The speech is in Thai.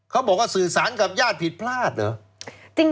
เขาบอกว่าสื่อสารกับญาติผิดพลาดเหรอ